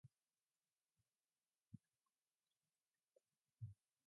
The entire village of Onnens is part of the Inventory of Swiss Heritage Sites.